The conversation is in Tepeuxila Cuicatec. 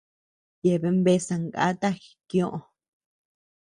Yeabean bea zangáta jikioʼö.